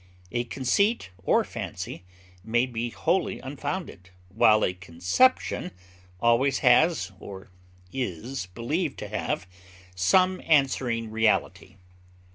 A conceit or fancy may be wholly unfounded, while a conception always has, or is believed to have, some answering reality.